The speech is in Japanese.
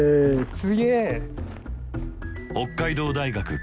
すげえ。